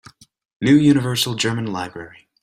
New Universal German Library.